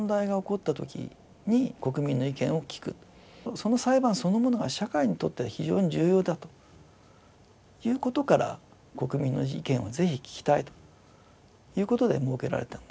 その裁判そのものが社会にとって非常に重要だということから「国民の意見をぜひ聞きたい」ということで設けられたんですね。